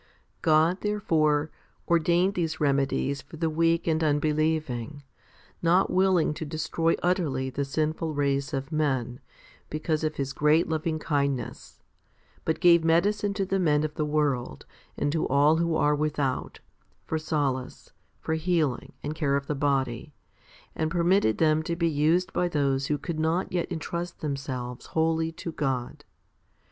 6. God, there fore, ordained these remedies for the weak and unbelieving, not willing to destroy utterly the sinful race of men, because of His great loving kindness, but gave medicine to the men of the world, and to all who are without, for solace, and healing, and care of the body, and permitted them to be used by those who could not yet entrust themselves wholly to God.